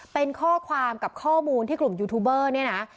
เป็นข้อความกับข้อมูลที่กลุ่มยูทูบเบอร์เนี่ยนะ